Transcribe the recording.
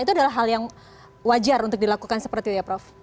itu adalah hal yang wajar untuk dilakukan seperti itu ya prof